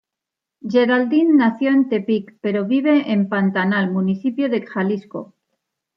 Geraldine nació en Tepic, pero vive en Pantanal, municipio de Xalisco.